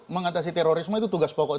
mengatasi terorisme itu tugas pokok